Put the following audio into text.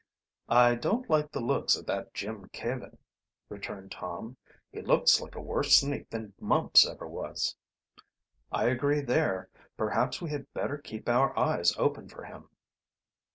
"I don't like the looks of that Jim Caven," returned Tom. "He looks like a worse sneak than Mumps ever was." "I agree there. Perhaps we had better keep, our eyes open for him."